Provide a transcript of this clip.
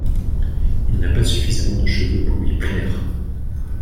Il n’a pas suffisamment de cheveux pour lui plaire.